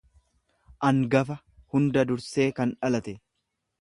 angafa, hunda dursee kan dhalate.